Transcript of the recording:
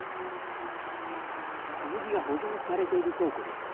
小麦が保存されている倉庫です。